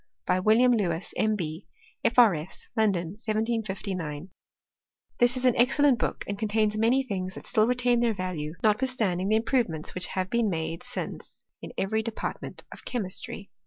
By William Lewis, M.B./ 266 tirl&TOftY Of tnziastTBLit. P.R.S. London, 1759.'* This is' an excellent book, and contains many things that still retain their Value, notwithstanding the improvements which have been made since in every department of chemistry.